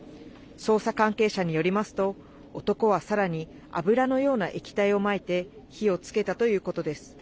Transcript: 捜査関係者によりますと男はさらに油のような液体をまいて火をつけたということです。